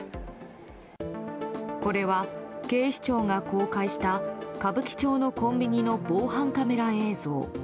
これは警視庁が公開した歌舞伎町のコンビニの防犯カメラ映像。